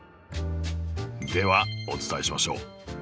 ではお伝えしましょう。